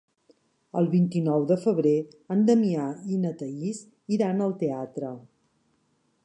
El vint-i-nou de febrer en Damià i na Thaís iran al teatre.